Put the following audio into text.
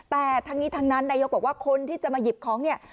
แต่ทั้งนี้ทั้งนั้นนายกบอกว่าคนที่จะมาหยิบของเนี่ย